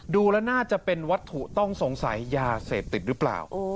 ดูแล้วน่าจะเป็นวัตถุต้องสงสัยยาเสพติดหรือเปล่า